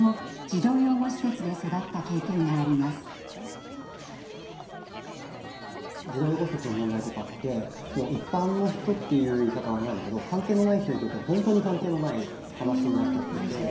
児童養護施設の問題とかって一般の人っていう言い方はあれなんだけど関係のない人にとっては本当に関係のない話になっちゃってて。